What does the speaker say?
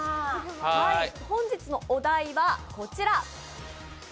本日のお題はこちら。